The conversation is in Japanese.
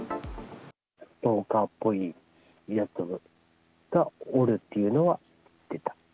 ストーカーっぽいやつがおるっていうのは言ってた。